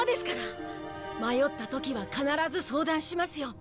迷った時は必ず相談しますよ。